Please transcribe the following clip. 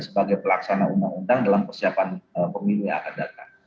sebagai pelaksana undang undang dalam persiapan pemilu yang akan datang